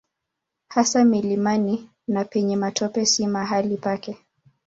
Hasa mlimani na penye matope si mahali pake.